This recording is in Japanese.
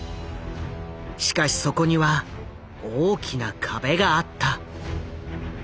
しかしそこには大きな壁があった。